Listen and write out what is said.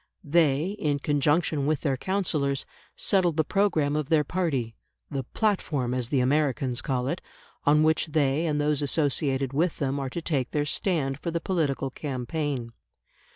They, in conjunction with their counsellors, settle the programme of their party the "platform," as the Americans call it, on which they and those associated with them are to take their stand for the political campaign.